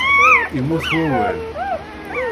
Immut wawal